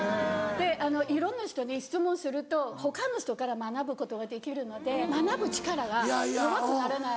であのいろんな人に質問すると他の人から学ぶことができるので学ぶ力が弱くならない。